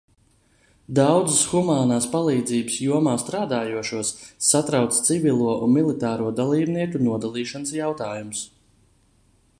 Daudzus humānās palīdzības jomā strādājošos satrauc civilo un militāro dalībnieku nodalīšanas jautājums.